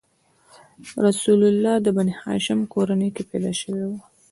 رسول الله د بنیهاشم کورنۍ کې پیدا شوی و.